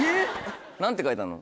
何て書いてあるの？